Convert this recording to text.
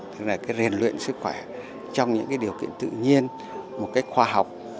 tức là rèn luyện sức khỏe trong những điều kiện tự nhiên một cách khoa học